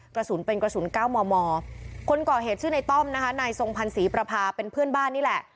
กระสุนเป็นกระสุนเก้ามอมอคนก่อเหตุชื่อในต้อมนะคะนายทรงพันธ์ศรีประพาเป็นเพื่อนบ้านนี่แหละ